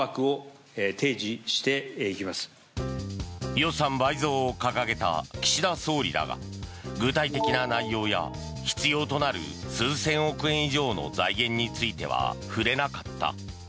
予算倍増を掲げた岸田総理だが具体的な内容や必要となる数千億円以上の財源については触れなかった。